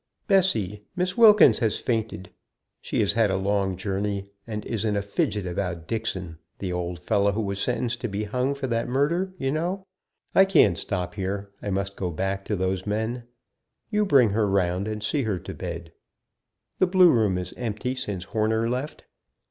"Bessy, Miss Wilkins has fainted; she has had a long journey, and is in a fidget about Dixon, the old fellow who was sentenced to be hung for that murder, you know. I can't stop here, I must go back to those men. You bring her round, and see her to bed. The blue room is empty since Horner left.